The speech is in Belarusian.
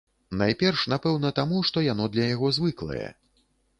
Найперш, напэўна, таму, што яно для яго звыклае.